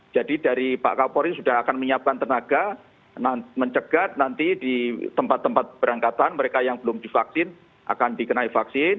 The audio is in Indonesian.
jadi dari pak kapolri sudah akan menyiapkan tenaga mencegat nanti di tempat tempat perangkatan mereka yang belum divaksin akan dikenai vaksin